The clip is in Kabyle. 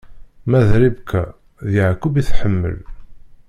Ma d Ribka, d Yeɛqub i tḥemmel.